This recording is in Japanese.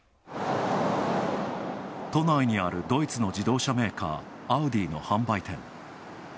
都内にある、ドイツの自動車メーカー、アウディの販売店。